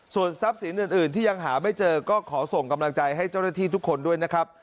ส่วนทรัพย์สินอื่นที่ยังหาไม่เจอก็ขอส่งกำลังใจให้เจ้าหน้าที่ทุกคนด้วยนะครับ